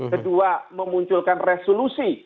kedua memunculkan resolusi